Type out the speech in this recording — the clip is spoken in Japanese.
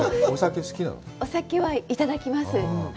お酒はいただきます。